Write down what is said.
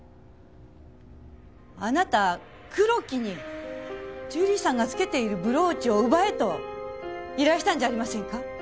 あなた黒木に樹里さんがつけているブローチを奪えと依頼したんじゃありませんか？